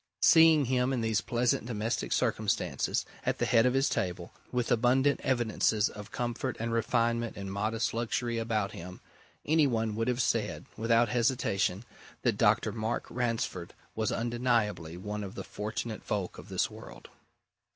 Seeing him in these pleasant domestic circumstances, at the head of his table, with abundant evidences of comfort and refinement and modest luxury about him, any one would have said, without hesitation, that Dr. Mark Ransford was undeniably one of the fortunate folk of this world.